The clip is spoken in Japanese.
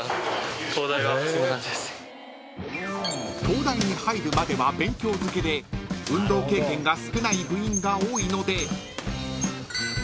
［東大に入るまでは勉強漬けで運動経験が少ない部員が多いので］